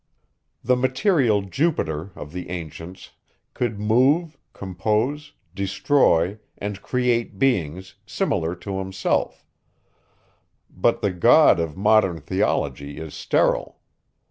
The material Jupiter of the ancients could move, compose, destroy, and create beings, similar to himself; but the God of modern theology is sterile.